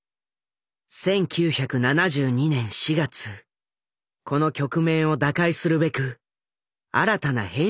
１９７２年４月この局面を打開するべく新たな編集長が就任する。